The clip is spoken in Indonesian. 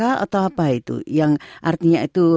atau apa itu yang artinya itu